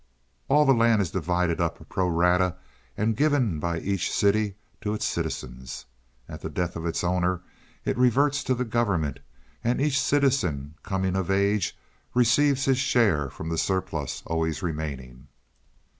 "All the land is divided up pro rata and given by each city to its citizens. At the death of its owner it reverts to the government, and each citizen coming of age receives his share from the surplus always remaining."